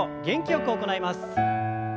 元気よく行います。